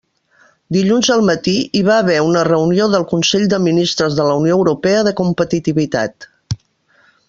Dilluns al matí hi va haver una reunió del Consell de Ministres de la Unió Europea de Competitivitat.